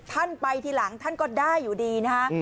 ท่านไปทีหลังท่านก็ได้อยู่ดีนะฮะ